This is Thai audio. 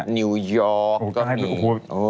นี่ไหนครับนิวยอร์กก็มี